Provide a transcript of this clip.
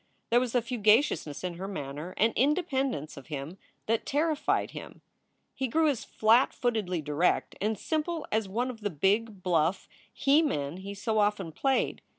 There was a fugaciousness in her manner, an independence of him, that terrified him. He grew as flat footedly direct and simple as one of the big, bluff he men he so often played.